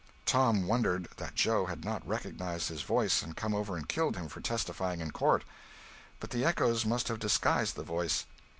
Tom wondered that Joe had not recognized his voice and come over and killed him for testifying in court. But the echoes must have disguised the voice.